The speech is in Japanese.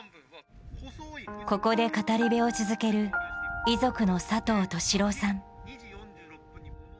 ここで語り部を続ける遺族の佐藤敏郎さん。